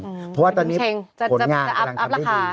เพราะว่าตอนนี้ผลงานกำลังทำได้ดี